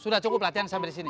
sudah cukup latihan sampai disini